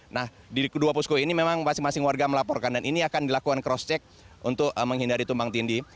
nah di kedua posko ini memang masing masing warga melaporkan dan ini akan dilakukan cross check untuk menghindari tumpang tindih